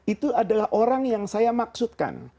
itu adalah orang yang saya maksudkan